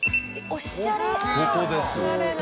おしゃれ。